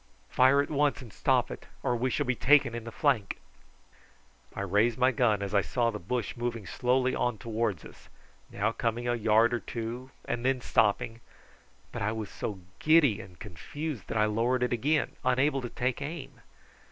Fire at once and stop it, or we shall be taken in the flank." I raised my gun as I saw the bush moving slowly on towards us, now coming a yard or two and then stopping; but I was so giddy and confused that I lowered it again, unable to take aim.